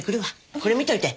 これ見ておいて。